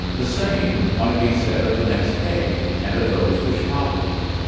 The same might be said of the next day, and of those which followed.